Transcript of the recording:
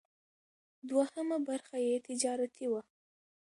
دوهمه برخه یې تجارتي وه.